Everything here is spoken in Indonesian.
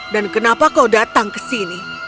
dan kenapa kau datang ke sini